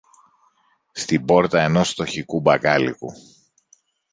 στην πόρτα ενός φτωχικού μπακάλικου